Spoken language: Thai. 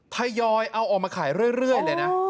ทยอยเอาออกมาขายเรื่อยเลยนะ